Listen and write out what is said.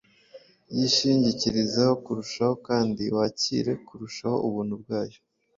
Yishingikirizeho kurushaho kandi wakire kurushaho ubuntu bwayo